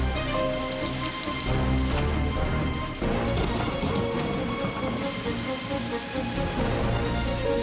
yang mempernikahkan dibatalin